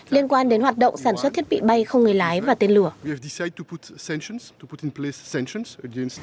liên quan đến hoạt động sản xuất thiết bị bay không người lái và tên lửa